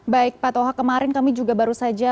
baik pak toha kemarin kami juga baru saja